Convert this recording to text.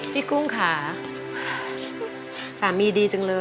พี่กุ้งขาสามีดีจังเลยอ่ะ